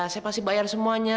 saya pasti bayar semuanya